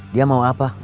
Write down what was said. dia mau apa